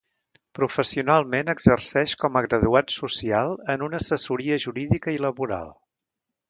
Professionalment exerceix com a graduat social en una assessoria jurídica i laboral.